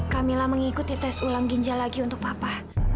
kamila mengikuti tes ulang ginjal lagi untuk papa